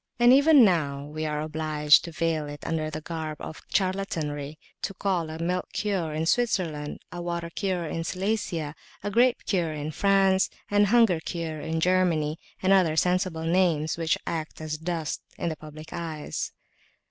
And even now we are obliged to veil it under the garb of charlatanry to call it a "milk cure" in Switzerland, [p.391]a "water cure" in Silesia, a "grape cure" in France, a "hunger cure" in Germany, and other sensible names which act as dust in the public eyes.